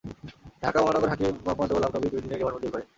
ঢাকা মহানগর হাকিম মোহাম্মদ গোলাম নবী দুই দিনের রিমান্ড মঞ্জুর করেন।